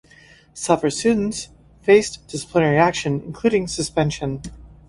Several students faced disciplinary action, including suspension.